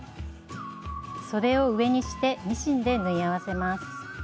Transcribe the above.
そでを上にしてミシンで縫い合わせます。